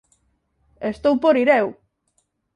Estou por ir eu